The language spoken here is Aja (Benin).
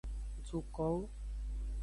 Dukowo.